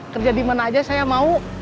kerja di mana aja saya mau